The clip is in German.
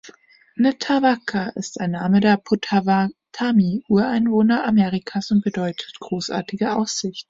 Netawaka ist ein Name der Pottawatami-Ureinwohner Amerikas und bedeutet „großartige Aussicht“.